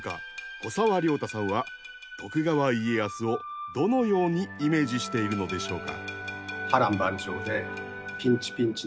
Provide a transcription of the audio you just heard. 古沢良太さんは徳川家康をどのようにイメージしているのでしょうか？